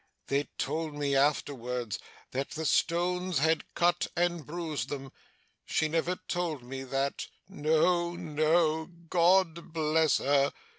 They told me, afterwards, that the stones had cut and bruised them. She never told me that. No, no, God bless her!